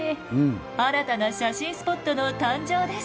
新たな写真スポットの誕生です。